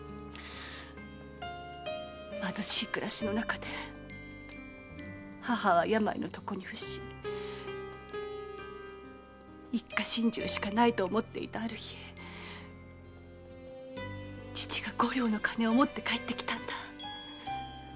貧しい暮らしの中で母は病の床に臥し一家心中しかないと思っていたある日父が五両の金を持って帰ってきたんだ。